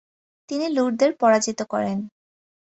তিনি লুরদের পরাজিত করেন।